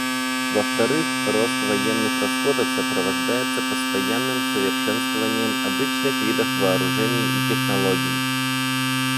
Во-вторых, рост военных расходов сопровождается постоянным совершенствованием обычных видов вооружений и технологий.